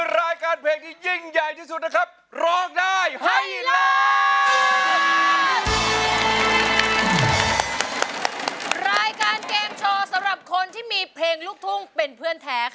รายการเกมชอสำหรับคนที่มีเพลงลุกทุ่งเป็นเพื่อนแท้ค่ะ